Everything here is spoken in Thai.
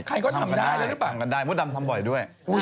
ใช่ทำกันได้มัวดำทำบ่อยด้วยใครก็ทำได้แล้วหรือเปล่า